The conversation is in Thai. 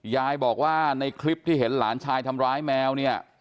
ยายบอกว่าในคลิปที่เห็นหลานชายทำร้ายแมวเนี่ย